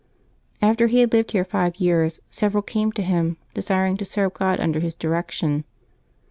After he had lived here five 3'ears, several came to him, desiring to serve God under his direction.